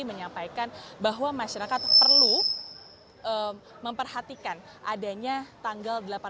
menyampaikan bahwa masyarakat perlu memperhatikan adanya tanggal